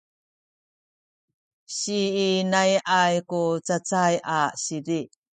siinai’ay ku cacay a sizi